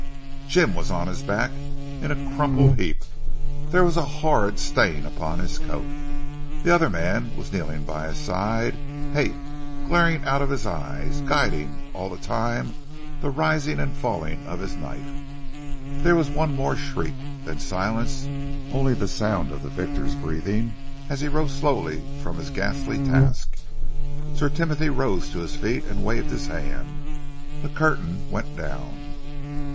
Jim was on his back in a crumpled heap. There was a horrid stain upon his coat. The other man was kneeling by his side, hate, glaring out of his eyes, guiding all the time the rising and falling of his knife. There was one more shriek then silence only the sound of the victor's breathing as he rose slowly from his ghastly task. Sir Timothy rose to his feet and waved his hand. The curtain went down.